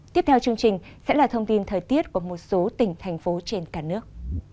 tiếp theo chương trình sẽ là thông tin thời tiết của một số tỉnh thành phố trên cả nước